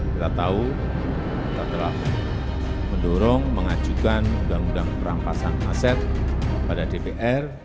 kita tahu kita telah mendorong mengajukan undang undang perampasan aset pada dpr